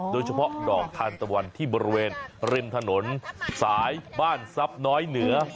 โดยเฉพาะดอกทานตะวันที่บริเวณริมถนนสายบ้านทรัพย์น้อยเหนือ